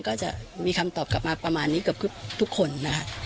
ก็จะมีคำตอบกลับมาประมาณนี้เกือบทุกคนนะคะ